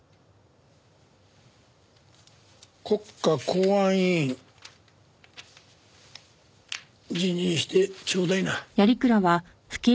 国家公安委員辞任してちょうだいな。